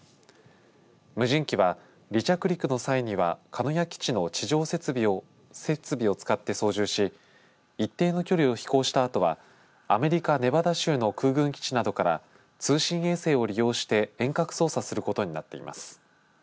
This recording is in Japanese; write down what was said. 無人機は、離着陸の際には鹿屋基地の地上設備を使って操縦し一定の距離を飛行したあとはアメリカ、ネバダ州の空軍基地などから通信衛星を利用して遠隔操作することになっています。